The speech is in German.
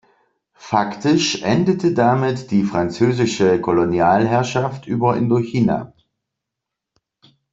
Faktisch endete damit die französische Kolonialherrschaft über Indochina.